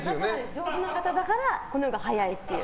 上手な方だからこのほうが早いっていう。